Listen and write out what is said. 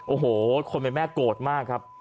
โอ้โหคนเป็นแม่โกรธมากครับ